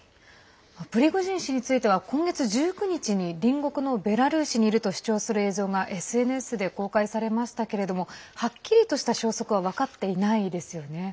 プリゴジン氏については今月１９日に隣国のベラルーシにいると主張する映像がＳＮＳで公開されましたけれどもはっきりとした消息は分かっていないですよね。